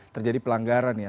terjadi pelanggaran ya